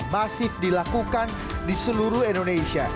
masif dilakukan di seluruh indonesia